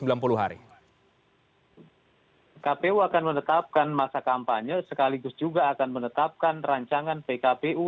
kpu akan menetapkan masa kampanye sekaligus juga akan menetapkan rancangan pkpu